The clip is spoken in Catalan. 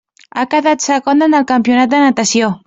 Ha quedat segona en el campionat de natació.